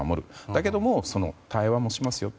だけれども対話もしますよと。